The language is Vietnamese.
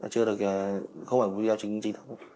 chưa được không phải video chính trị